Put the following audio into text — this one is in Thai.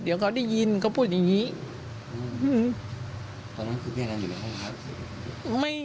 เดี๋ยวเขาได้ยินเขาพูดอย่างงี้อืมตอนนั้นคือพี่อันนันอยู่ในห้องพัก